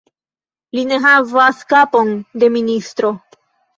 Li ne havas kapon de ministro.